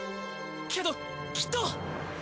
けどきっと。